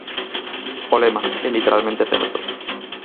O lema é literalmente certo.